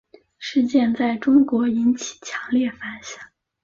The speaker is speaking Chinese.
事件在中国引起强烈反响。